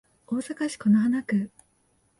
大阪市此花区